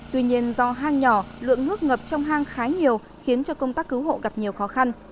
tuy nhiên do hang nhỏ lượng nước ngập trong hang khá nhiều khiến cho công tác cứu hộ gặp nhiều khó khăn